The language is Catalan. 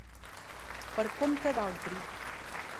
Per compte d'altri.